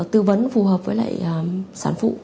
tư vấn phù hợp với lại sản phụ